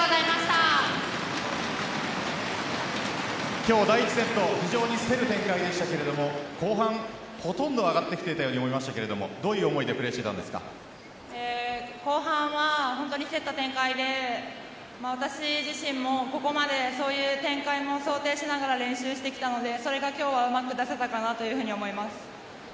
今日第１セット非常に競る展開でしたけど後半、ほとんど上がってきていたように思いますがどういう思いで後半は本当に競った展開で私自身もここまで、そういう展開を想定しながら練習してきたのでそれが今日はうまく出せたかなと思います。